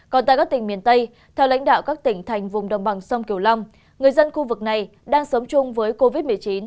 còn tại các tỉnh miền tây theo lãnh đạo các tỉnh thành vùng đồng bằng sông kiều long người dân khu vực này đang sống chung với covid một mươi chín